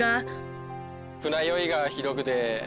船酔いがひどくて。